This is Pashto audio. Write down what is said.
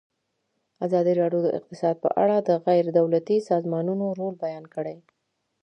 ازادي راډیو د اقتصاد په اړه د غیر دولتي سازمانونو رول بیان کړی.